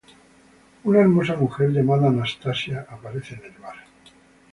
Una hermosa mujer llamada Anastasia aparece en el bar.